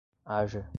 haja